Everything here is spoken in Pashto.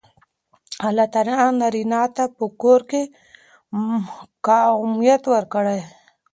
الله تعالی نارینه ته په کور کې قوامیت ورکړی دی.